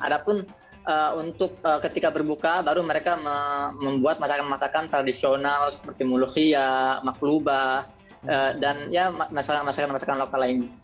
ada pun untuk ketika berbuka baru mereka membuat masakan masakan tradisional seperti mulusia maklubah dan ya masakan masakan lokal lainnya